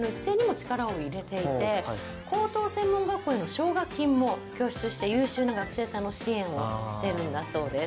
力を入れていて高等専門学校への奨学金も供出して優秀な学生さんの支援をしているんだそうです。